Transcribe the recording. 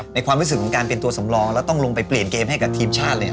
ความรู้สึกของการเป็นตัวสำรองแล้วต้องลงไปเปลี่ยนเกมให้กับทีมชาติเลย